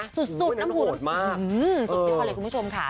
สุดที่พอเลยคุณผู้ชมค่ะ